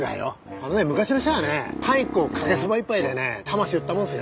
あのねえ昔の人はねえパン１個かけそば１杯でね魂売ったもんすよ。